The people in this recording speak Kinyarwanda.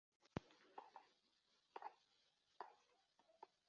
Heburoni mu gihe cy imyaka irindwi n igice bamwe mu bahungu